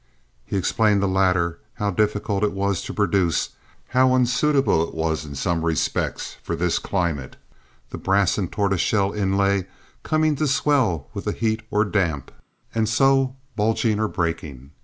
He explained the latter—how difficult it was to produce, how unsuitable it was in some respects for this climate, the brass and tortoise shell inlay coming to swell with the heat or damp, and so bulging or breaking.